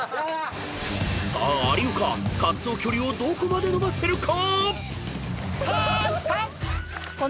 ［さあ有岡滑走距離をどこまで伸ばせるか⁉］